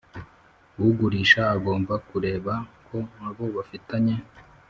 Ugurisha agomba kureba ko abo bafitanye